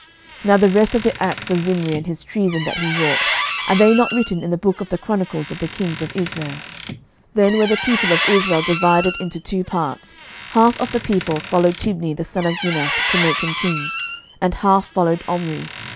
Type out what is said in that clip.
11:016:020 Now the rest of the acts of Zimri, and his treason that he wrought, are they not written in the book of the chronicles of the kings of Israel? 11:016:021 Then were the people of Israel divided into two parts: half of the people followed Tibni the son of Ginath, to make him king; and half followed Omri.